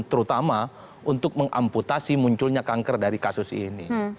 terutama untuk mengamputasi munculnya kanker dari kasus ini